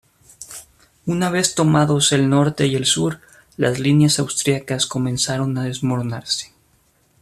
Una vez tomados el norte y el sur, las líneas austriacas comenzaron a desmoronarse.